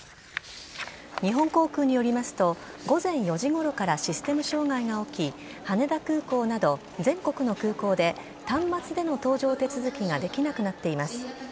日本航空によりますと、午前４時ごろからシステム障害が起き、羽田空港など、全国の空港で、端末での搭乗手続きができなくなっています。